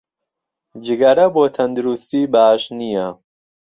جگەرە بۆ تەندرووستی باش نییە